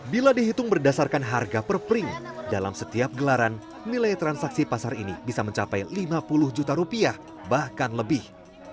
bila dihitung berdasarkan harga per print dalam setiap gelaran nilai transaksi pasar ini bisa mencapai lima puluh juta rupiah bahkan lebih